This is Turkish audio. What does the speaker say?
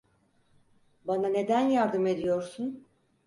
Bana neden yardım ediyorsun?